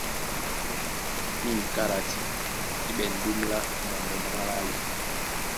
Nîn kálati e ɓɛ̂n ɗóm lá moŋgo na málálo.